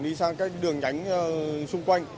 đi sang các đường nhánh xung quanh